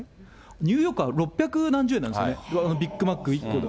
ニューヨークは六百何十円なんですよね、ビッグマック１個で。